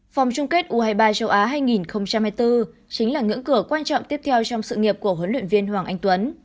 vòng chung kết u hai mươi ba châu á hai nghìn hai mươi bốn chính là ngưỡng cửa quan trọng tiếp theo trong sự nghiệp của huấn luyện viên hoàng anh tuấn